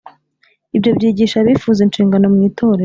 Ibyo byigisha abifuza inshingano mu itorero